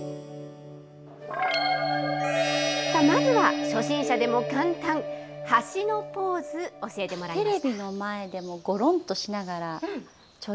まずは初心者でも簡単、橋のポーズ、教えてもらいました。